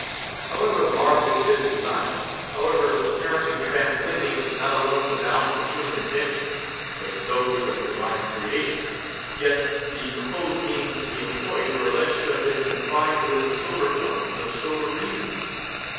However marvelous his design, however apparently transcending not alone the bounds of human invention, but those of divine creation, yet the proposed means to be employed were alleged to have been confined within the sober forms of sober reason.